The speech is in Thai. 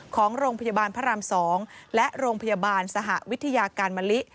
ของโรงพยาบาลพระราม๒และโรงพยาบาลสหวิทยาการมะลิ